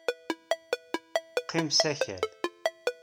Qqim s akal.